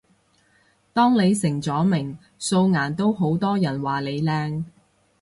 當你成咗名，素顏都好多人話你靚